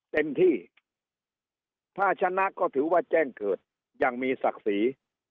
เต็มที่ถ้าชนะก็ถือว่าแจ้งเกิดอย่างมีศักดิ์ศรี